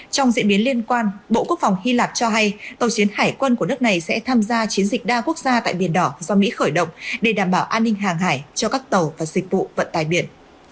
trong diễn biến liên quan bộ quốc phòng hy lạp cho hay tàu chiến hải quân của nước này sẽ tham gia chiến dịch đa quốc gia tại biển đỏ do mỹ khởi động để đảm bảo an ninh hàng hải cho các tàu và dịch vụ vận tài biển